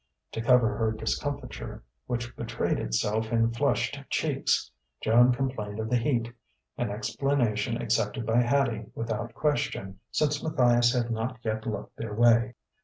To cover her discomfiture, which betrayed itself in flushed cheeks, Joan complained of the heat: an explanation accepted by Hattie without question, since Matthias had not yet looked their way.